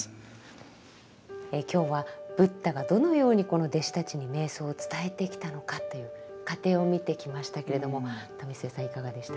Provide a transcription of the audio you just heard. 今日はブッダがどのようにこの弟子たちに瞑想を伝えてきたのかという過程を見てきましたけれども為末さんいかがでしたか？